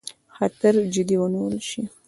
خطر جدي ونیول شي.